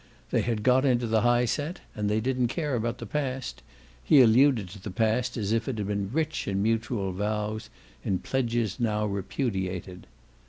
They had got into the high set and they didn't care about the past: he alluded to the past as if it had been rich in mutual vows, in pledges now repudiated.